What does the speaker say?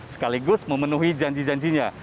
sekaligus memenuhi janji janjinya